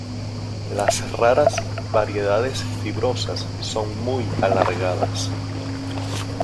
Las raras variedades fibrosas son muy alargadas.